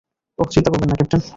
ওহ, চিন্তা করবেন না, ক্যাপ্টেন।